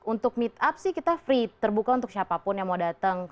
untuk meet up sih kita free terbuka untuk siapapun yang mau datang